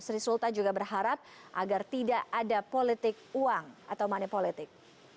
sri sultan juga berharap agar tidak ada politik uang atau money politik